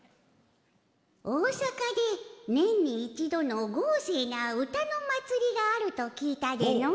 大阪で、年に一度の豪勢な歌の祭りがあると聞いたでの。